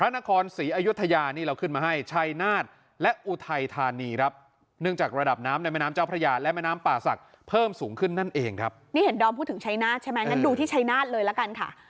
นี่เราเห็นดอมพูดถึงชัยนาธใช่ไหมงั้นดูที่ชัยนาธเลยละกันค่ะ